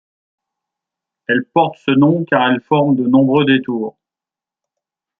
Elle porte ce nom car elle forme de nombreux détours.